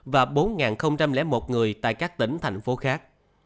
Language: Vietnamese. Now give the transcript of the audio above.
và bốn một người tại các tỉnh thành phố khác